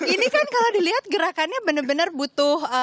ini kan kalau dilihat gerakannya benar benar butuh